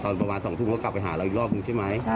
ประมาณ๒ทุ่มก็กลับไปหาเราอีกรอบนึงใช่ไหม